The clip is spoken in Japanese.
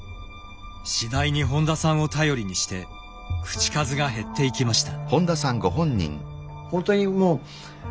次第に本多さんを頼りにして口数が減っていきました。